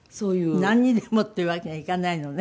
なんにでもっていうわけにはいかないのね？